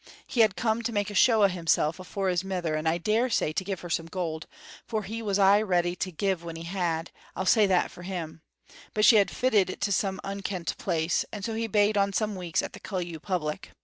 He had come to make a show o' himsel' afore his mither, and I dare say to give her some gold, for he was aye ready to give when he had, I'll say that for him; but she had flitted to some unkent place, and so he bade on some weeks at the Cullew public.